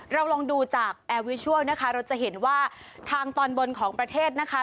เราลองดูจากแอร์วิชัลนะคะเราจะเห็นว่าทางตอนบนของประเทศนะคะ